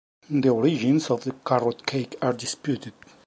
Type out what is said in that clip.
The origins of carrot cake are disputed.